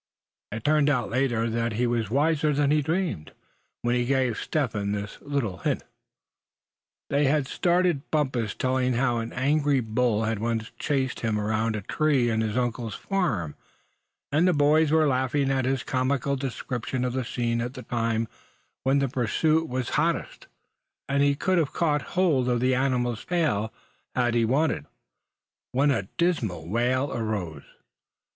It turned out later that he was wiser than he dreamed, when he gave Step Hen this little hint. They had started Bumpus telling how an angry bull had once chased him around a tree on his uncle's farm, and the boys were laughing at his comical description of the scene at the time when the pursuit was hottest, and he could have caught hold of the animal's tail had he wanted, when a dismal wail arose.